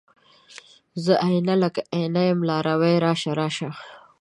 زه آئينه، لکه آئینه یم لارویه راشه، راشه